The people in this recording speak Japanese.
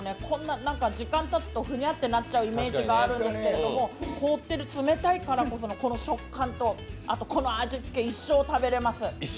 こんな、時間がたつとふにゃってなっちゃうイメージがあるんですけど凍っている冷たいからこその食感とあとこの味付け、一生食べれます。